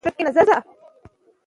هڅه وکړئ چې ښه ولیکئ.